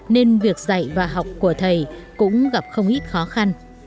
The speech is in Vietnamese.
nên việc dạy và học của thầy cũng gặp không ít khó khăn